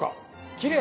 きれい！